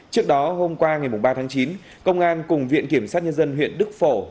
trước đó hôm qua ngày ba tháng chín công an cùng viện kiểm sát nhân dân huyện đức phổ